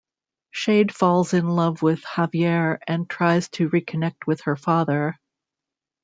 Shade falls in love with Javier and tries to reconnect with her father.